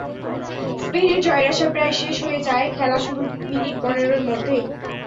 স্পেনের জয়ের আশা প্রায় শেষ হয়ে যায় খেলা শুরুর মিনিট পনেরোর মধ্যেই।